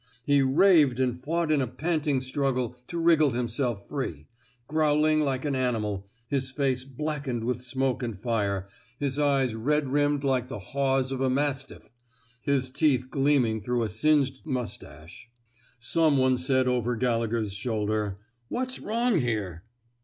He raved and fought in a panting struggle to wriggle himself free, growling like an animal, his face blackened with smoke and fire, his eyes red rimmed like the haws '^ of a mastiff, his teeth gleaming through a singed mustache. 241 THE SMOKE EATERS Some one said over Gallegher's shoulder: What's wrong here!